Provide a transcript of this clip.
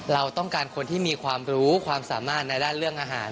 เราต้องการคนที่มีความรู้ความสามารถในด้านเรื่องอาหาร